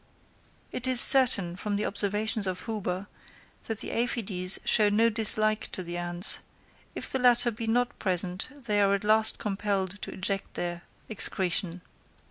It is certain, from the observations of Huber, that the aphides show no dislike to the ants: if the latter be not present they are at last compelled to eject their excretion.